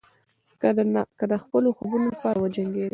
که د خپلو خوبونو لپاره وجنګېدئ.